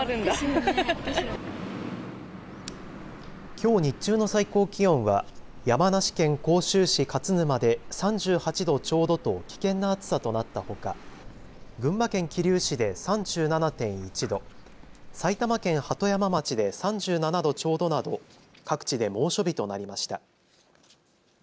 きょう日中の最高気温は山梨県甲州市勝沼で３８度ちょうどと危険な暑さとなったほか群馬県桐生市で３７．１度、埼玉県鳩山町で３７度ちょうどなど各地で猛暑日となりました。